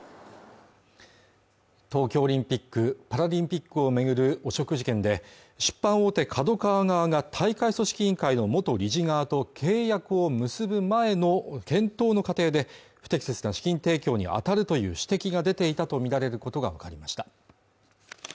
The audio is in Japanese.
東京オリンピックパラリンピックを巡る汚職事件で出版大手ＫＡＤＯＫＡＷＡ側が大会組織委員会の元理事側と契約を結ぶ前の検討の過程で不適切な資金提供にあたるという指摘が出ていたと見られることが分かりました